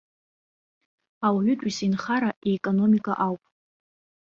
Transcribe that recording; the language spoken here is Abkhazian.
Ауаҩытәыҩса инхара, иекономика ауп.